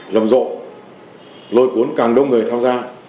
rồng rộ lôi cuốn càng đông người tham gia